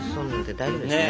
大丈夫ですね？